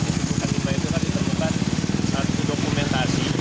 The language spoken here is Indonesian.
bukan dikaitkan ditumpukan satu dokumentasi